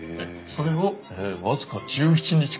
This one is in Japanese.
それを僅か１７日間。